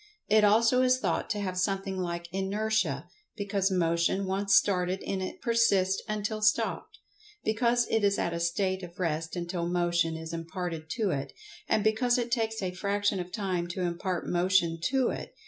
It also is thought to have something like Inertia, because Motion once started in it persists until stopped; because it is at a state of rest until Motion is imparted to it; and because it takes a fraction of time to impart[Pg 102] motion to it.